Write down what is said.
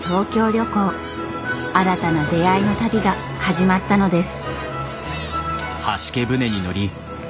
新たな出会いの旅が始まったのです。